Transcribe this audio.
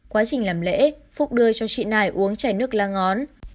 quá trình làm lễ phúc đưa cho chị này uống chai nước lá ngón